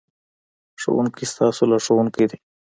ښوونکی ستاسو لارښوونکی دی.